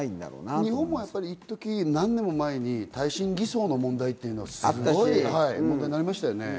日本は一時、何年も前に耐震偽装の問題はすごくね、問題になりましたね。